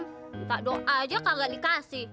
minta doa aja kagak dikasih